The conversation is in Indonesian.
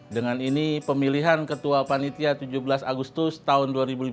dengan ini pemilihan ketua panitia tujuh belas agustus tahun dua ribu lima belas